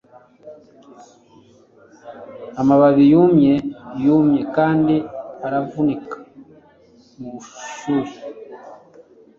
amababi yumye yumye kandi aravunika mubushuhe